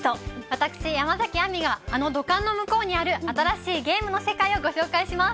私、山崎あみが、あの土管の向こうにある新しいゲームの世界をご紹介します。